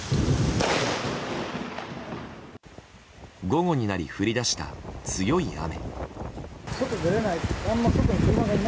午後になり降り出した強い雨。